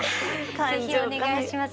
是非お願いします。